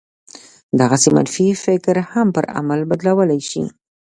دغسې منفي فکر هم پر عمل بدلولای شي